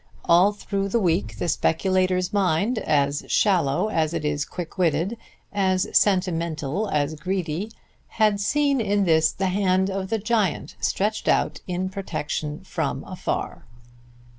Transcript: All through the week the speculator's mind, as shallow as it is quick witted, as sentimental as greedy, had seen in this the hand of the giant stretched out in protection from afar.